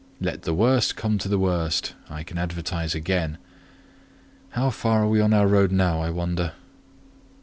let the worst come to the worst, I can advertise again. How far are we on our road now, I wonder?"